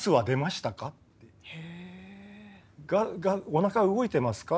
「おなか動いてますか？